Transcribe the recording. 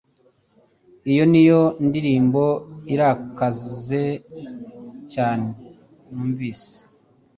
Iyo niyo ndirimbo irakaze cyane numvise